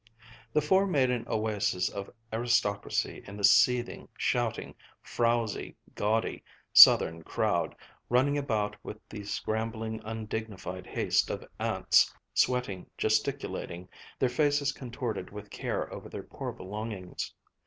The four made an oasis of aristocracy in the seething, shouting, frowzy, gaudy, Southern crowd, running about with the scrambling, undignified haste of ants, sweating, gesticulating, their faces contorted with care over their poor belongings.